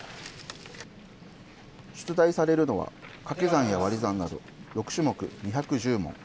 出題されるのはかけ算や割り算など６種目２１０問。